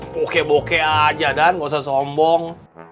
bokeh bokeh aja dan gak usah sombong